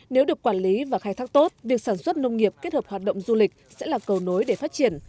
nếu được quản lý và khai thác tốt việc sản xuất nông nghiệp kết hợp hoạt động du lịch sẽ là cầu nối để phát triển